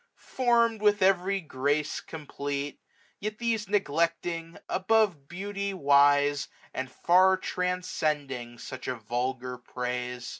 form'd with every grace complete} Yet these neglecting, above beauty wise. And far transcending such a vulgar praise.